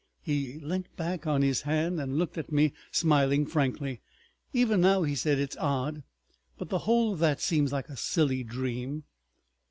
He leant back on his hand and looked at me, smiling frankly. "Even now," he said, "it's odd, but the whole of that seems like a silly dream.